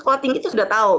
kalau tinggi itu sudah tahu